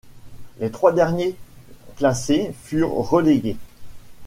Les trois derniers classés furent relégués.